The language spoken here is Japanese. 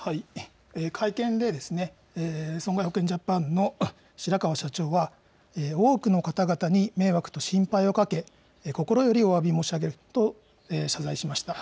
会見では損害保険ジャパンの白川社長は多くの方々に迷惑と心配をかけ心よりおわび申し上げると謝罪しました。